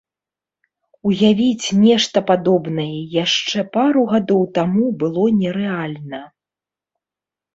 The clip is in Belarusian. Уявіць нешта падобнае яшчэ пару гадоў таму было нерэальна.